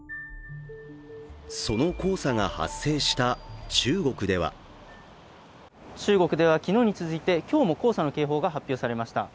その黄砂が発生した中国では中国では昨日に続いて今日も黄砂の警報が発表されました。